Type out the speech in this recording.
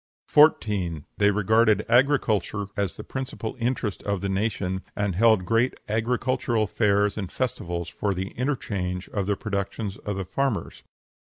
14. They regarded agriculture as the principal interest of the nation, and held great agricultural fairs and festivals for the interchange of the productions of the farmers.